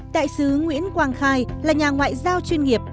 đại sứ nguyễn quang khai là nhà ngoại giao chuyên nghiệp